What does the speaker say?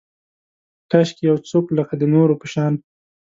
کاشکي یو څوک لکه، د نورو په شان